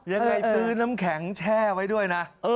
ยังไงซื้อน้ำแข็งแช่ไว้ด้วยนะ